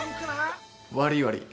悪い悪い。